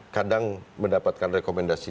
kadang mendapatkan rekomendasi